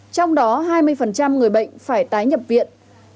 trong đó hai mươi người bệnh phải tái nhập viện